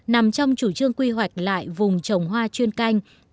nằm trong chủ trương quy hoạch lại vùng trồng hoa chuyên các loại